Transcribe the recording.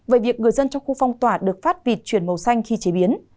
về việc người dân trong khu phong tỏa được phát vịt chuyển màu xanh khi chế biến